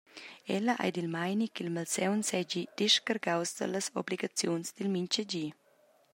Ella ei dil meini ch’il malsaun seigi descargaus dallas obligaziuns dil mintgagi.